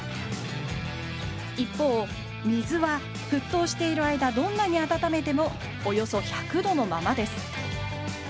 一方水は沸騰している間どんなに温めてもおよそ１００度のままです。